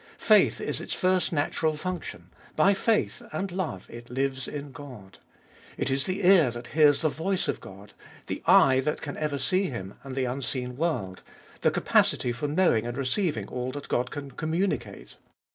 Faith is its first natural function ; by faith and love it lives in God. It is the ear that hears the voice of God, the eye that can ever see Him and the unseen world ; the capacity for knowing and receiving all that God can communicate.